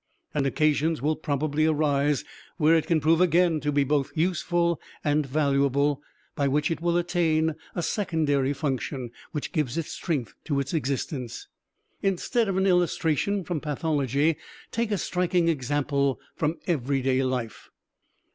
And occasions will probably arise where it can prove again to be both useful and valuable, by which it will attain a secondary function, which gives strength to its existence. Instead of an illustration from pathology take a striking example from everyday life.